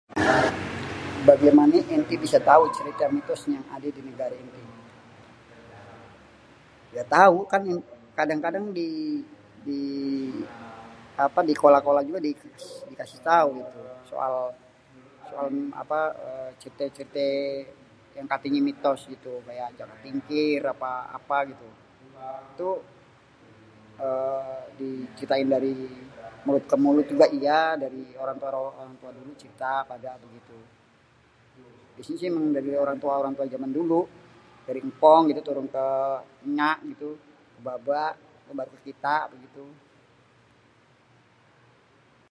"""Bagaimané enté bisa tau cerita mitos yang ade di negara enté?"", ya tau, kadang-kadang kan di kolah-kolah juga dikasih tau soal-soal apa cerité-cerité yang katenye mitos gitu, kayak jaka tingkir atau apa gitu. Itu eee diceritain dari mulut ke mulut juga, iya dari orang tua orang tua jaman dulu (juga) cerita gitu, di sini juga dari orang-orang tua jaman dulu dari engkong turun ke enyak gitu, ke baba baru ke kita gitu."